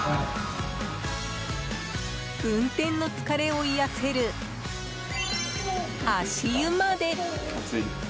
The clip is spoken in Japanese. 運転の疲れを癒やせる足湯まで。